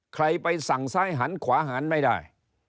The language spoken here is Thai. ใครไปสั่งซ้ายหันขวาหันไม่ได้